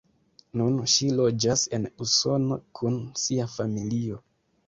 Nun ŝi loĝas en Usono kun sia familio.